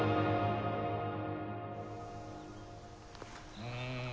うん。